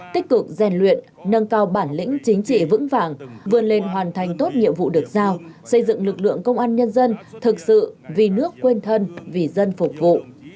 tích cực rèn luyện nâng cao bản lĩnh chính trị vững vàng vươn lên hoàn thành tốt nhiệm vụ được giao xây dựng lực lượng công an nhân dân thực sự vì nước quên thân vì dân phục vụ